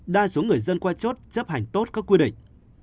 đa số người dân qua chốt chấp hành tốt các quy định